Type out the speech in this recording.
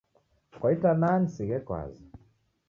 Kwa itanaa nisighe kwanza.